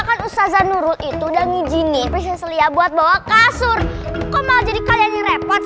kan ustazah nurut itu dan ngijinin prinses lia buat bawa kasur kok mau jadi kalian yang repot